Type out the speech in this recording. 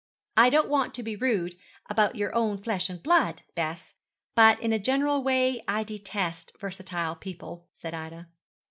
'I don't want to be rude about your own flesh and blood Bess, but in a general way I detest versatile people,' said Ida.